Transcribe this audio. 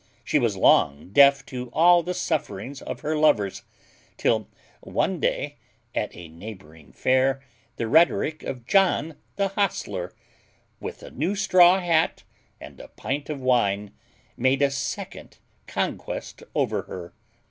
She was long deaf to all the sufferings of her lovers, till one day, at a neighbouring fair, the rhetoric of John the hostler, with a new straw hat and a pint of wine, made a second conquest over her.